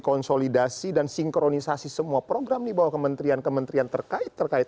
konsolidasi dan sinkronisasi semua program di bawah kementerian kementerian terkait terkait